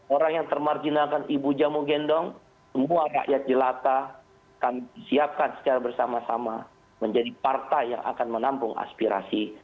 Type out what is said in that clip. orang yang termarjinalkan ibu jamu gendong semua rakyat jelata kami siapkan secara bersama sama menjadi partai yang akan menampung aspirasi